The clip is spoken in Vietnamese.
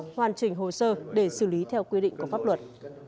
hoàn chỉnh hồ sơ để xử lý theo quy định của pháp luật